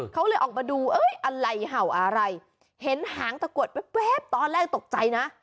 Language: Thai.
เขาเลยออกมาดูเอ้ยอะไรเห่าอะไรเห็นหางตะกรวดแว๊บตอนแรกตกใจนะ